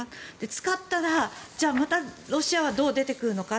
使ったら、またロシアはどう出てくるのか。